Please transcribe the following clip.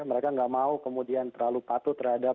mereka nggak mau kemudian terlalu patuh terhadap